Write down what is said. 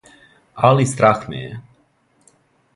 Али страх ме је.